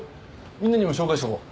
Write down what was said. みんなにも紹介しておこう。